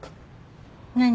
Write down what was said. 何？